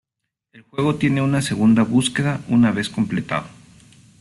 El juego tiene una segunda búsqueda una vez completado.